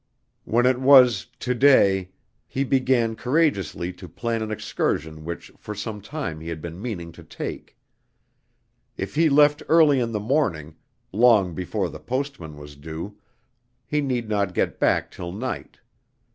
When it was "to day," he began courageously to plan an excursion which for some time he had been meaning to make. If he left early in the morning long before the postman was due he need not get back till night.